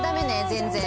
全然。